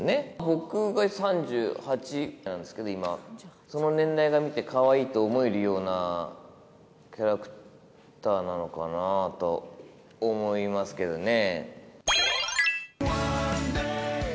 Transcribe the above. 僕が３８なんですけれども、今、その年代が見てかわいいと思えるようなキャラクターなのかなと思いますけれどもね。